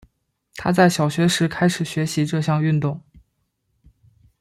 她在小学时开始学习这项运动。